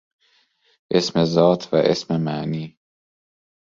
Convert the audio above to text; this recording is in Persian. اسم ذات و اسم معنی